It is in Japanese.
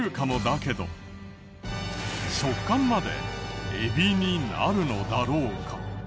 食感までエビになるのだろうか？